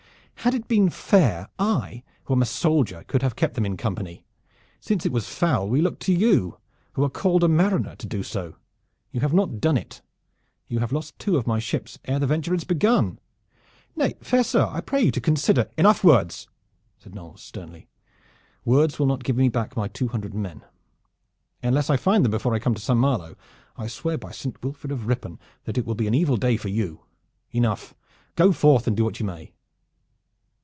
"Had it been fair, I, who am a soldier, could have kept them in company. Since it was foul, we looked to you, who are called a mariner, to do so. You have not done it. You have lost two of my ships ere the venture is begun." "Nay, fair sir, I pray you to consider " "Enough words!" said Knolles sternly. "Words will not give me back my two hundred men. Unless I find them before I come to Saint Malo, I swear by Saint Wilfrid of Ripon that it will be an evil day for you! Enough! Go forth and do what you may!"